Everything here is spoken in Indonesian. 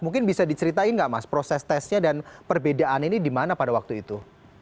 mungkin bisa diceritain nggak mas proses tesnya dan perbedaan ini di mana pada waktu itu